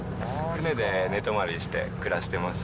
船で寝泊まりして暮らしてます。